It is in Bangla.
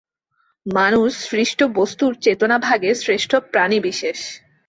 মানুষ সৃষ্ট বস্তুর চেতনভাগের শ্রেষ্ঠ প্রাণিবিশেষ।